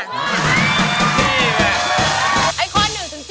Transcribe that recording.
อีซูซูซนี่แหละ